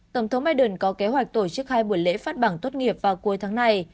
tổng thống biden có kế hoạch tổ chức hai buổi lễ phát bằng tốt nghiệp vào cuối tháng này